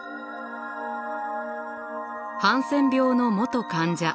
ハンセン病の元患者